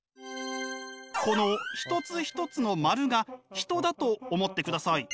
この一つ一つの丸が人だと思ってください。